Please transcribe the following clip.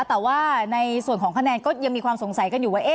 แต่ว่าในส่วนของคะแนนก็ยังมีความสงสัยกันอยู่ว่า